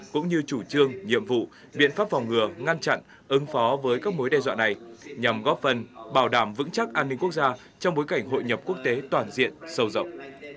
cũng như chủ trương nhiệm vụ biện pháp phòng ngừa ngăn chặn ứng phó với các mối đe dọa này nhằm góp phần bảo đảm vững chắc an ninh quốc gia trong bối cảnh hội nhập quốc tế toàn diện sâu rộng